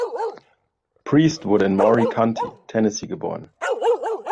Priest wurde in Maury County, Tennessee geboren.